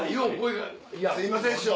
すいません師匠。